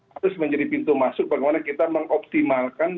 harus menjadi pintu masuk bagaimana kita mengoptimalkan